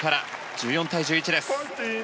１４対１１です。